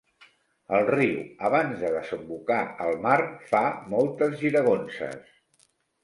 El riu, abans de desembocar al mar, fa moltes giragonses.